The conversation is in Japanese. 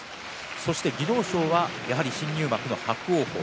そして技能賞はやはり新入幕の伯桜鵬。